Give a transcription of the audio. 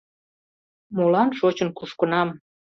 Молан шочын кушкынам?